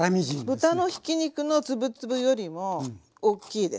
豚のひき肉のつぶつぶよりもおっきいです。